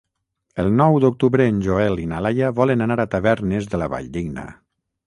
El nou d'octubre en Joel i na Laia volen anar a Tavernes de la Valldigna.